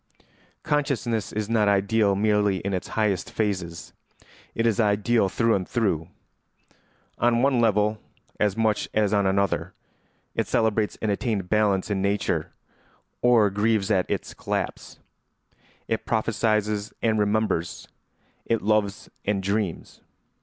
] Consciousness is not ideal merely in its highest phases; it is ideal through and through. On one level as much as on another, it celebrates an attained balance in nature, or grieves at its collapse; it prophesies and remembers, it loves and dreams.